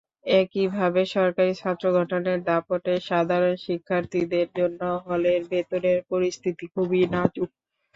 একইভাবে সরকারি ছাত্রসংগঠনের দাপটে সাধারণ শিক্ষার্থীদের জন্য হলের ভেতরের পরিস্থিতি খুবই নাজুক।